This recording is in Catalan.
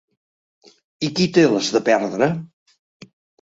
I qui té les de perdre?